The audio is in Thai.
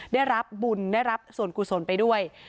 ได้รับบุญได้รับส่วนกุศลไปด้วย